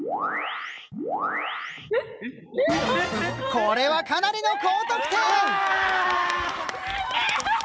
これはかなりの高得点！